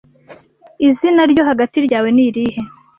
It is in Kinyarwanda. Izina ryo hagati ryawe ni irihe?